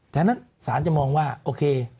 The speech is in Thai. แน่นนั่นสารจะมองว่าโอเค